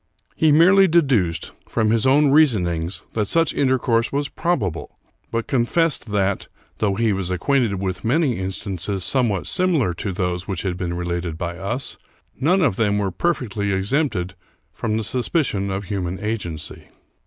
He merely deduced, from his own reason ings, that such intercourse was probable, but confessed that, though he was acquainted with many instances somewhat similar to those which had been related by us, none of them were perfectly exempted from the suspicion of hu man agency.